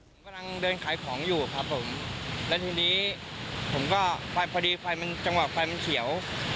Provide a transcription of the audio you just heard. ผมกำลังเดินขายของอยู่ครับผมแล้วทีนี้ผมก็ไปพอดีไฟมันจังหวะไฟมันเขียว